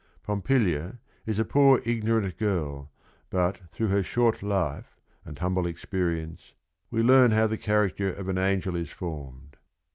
Pompilia is a poor, ignorant girl, but .through her short life and humble experience we learn how the character of an angel is formed.